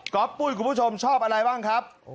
ปุ้ยคุณผู้ชมชอบอะไรบ้างครับ